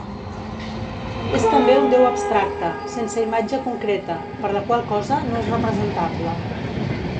És també un déu abstracte, sense imatge concreta, per la qual cosa no és representable.